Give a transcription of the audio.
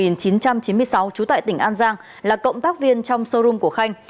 năm một nghìn chín trăm chín mươi sáu trú tại tỉnh an giang là cộng tác viên trong showroom của khanh